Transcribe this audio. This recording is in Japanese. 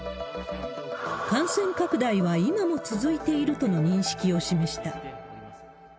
感染拡大は今も続いているとの認識を示した。